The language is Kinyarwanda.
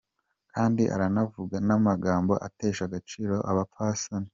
Kandi aranavuga n’amajambo atesha agaciro abapfasoni.